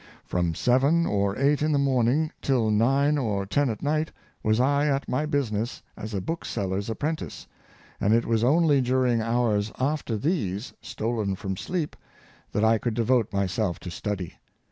From seven or eight in the morning till nine or ten at night was I at my business as a bookseller's apprentice, and it was only during hours after these, stolen from sleep, that I could devote myself to study.